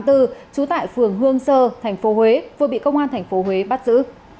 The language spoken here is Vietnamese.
trú tại phường hương sơ thành phố huế vừa bị công an thành phố huế bắt giữ